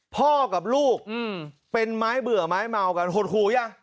พ่อกับลูกเป็นไม้เบื่อไม้เมากันหดหูยัง